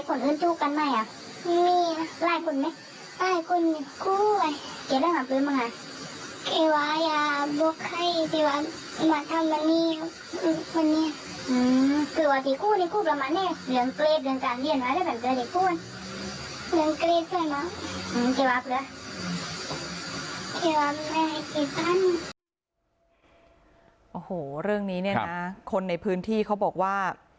โอ้โหเรื่องนี้เนี่ยนะคนในพื้นที่เขาบอกว่า